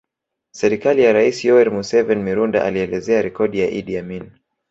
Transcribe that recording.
Sekretari wa rais Yoweri Museveni Mirundi alielezea rekodi ya Idi Amin